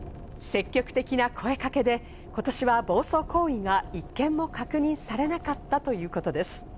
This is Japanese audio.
積極的な声掛けで、今年は暴走行為が１件も確認されなかったということです。